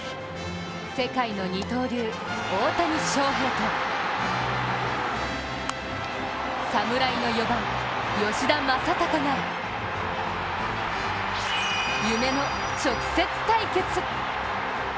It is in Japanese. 世界の二刀流・大谷翔平と侍の４番・吉田正尚が夢の直接対決！